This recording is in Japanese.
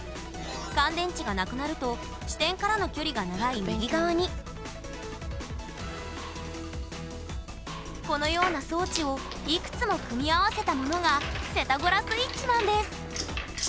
乾電池がなくなると支点からの距離が長い右側にこのような装置をいくつも組み合わせたものがセタゴラスイッチなんです！